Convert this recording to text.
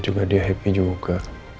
juga dia happy juga